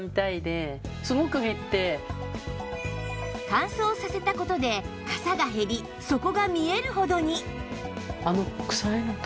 乾燥させた事でかさが減り底が見えるほどに